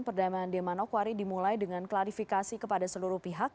perdamaian di manokwari dimulai dengan klarifikasi kepada seluruh pihak